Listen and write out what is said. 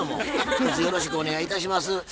ひとつよろしくお願いいたします。